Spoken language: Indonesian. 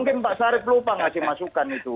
mungkin pak syarif lupa tidak dimasukkan itu